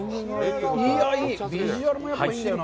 ビジュアルもやっぱりいいな。